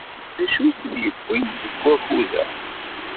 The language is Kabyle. D acu ay tt-id-yewwin deg wakud-a?